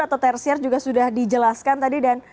atau tersier juga sudah dijelaskan tadi